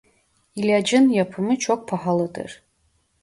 İlacın yapımı çok pahalıdır.